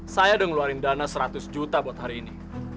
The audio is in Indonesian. saya sudah mengeluarkan dana seratus juta buat hari ini